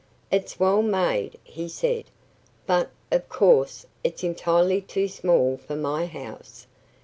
"It's well made," he said, "but of course it's entirely too small for my house.